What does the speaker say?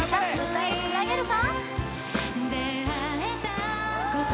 歌いつなげるか？